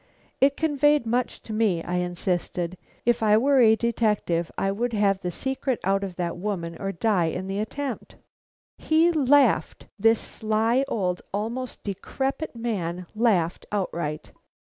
"It conveyed much to me," I insisted. "If I were a detective I would have the secret out of that woman or die in the attempt." He laughed; this sly, old, almost decrepit man laughed outright.